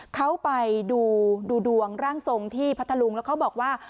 เขาไปดูดวงร่างทรงที่พัทธลุงแล้วเขาบอกว่า